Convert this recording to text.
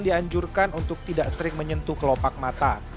dianjurkan untuk tidak sering menyentuh kelopak mata